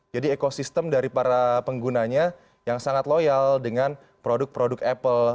jadi ekosistem dari para penggunanya yang sangat loyal dengan produk produk apple